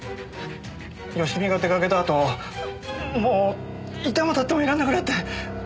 佳美が出かけた後もういてもたってもいられなくなって！